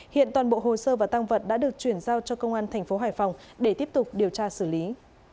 hiện toàn bộ hồ sơ và tăng vật đã được chuyển giao cho công an tp hf để tiếp tục điều tra xử lý